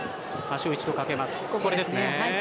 足を一度掛けます。